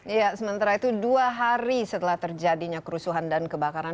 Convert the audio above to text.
iya sementara itu dua hari setelah terjadinya kerusuhan dan kebakaran